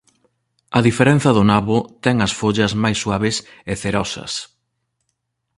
A diferenza do nabo ten as follas máis suaves e cerosas.